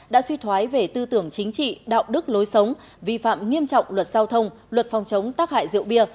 đã suy thoái về tư tưởng chính trị đạo đức lối sống vi phạm nghiêm trọng luật giao thông luật phòng chống tác hại rượu bia